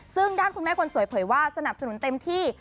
ซึ่งด้านคุณแม่คนสวยเผยว่าสนับสนุนเต็มที่